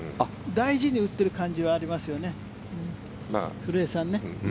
大事に打っている感じはありますよね、古江さんね。